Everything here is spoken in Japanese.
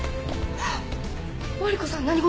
マリコさん何事！？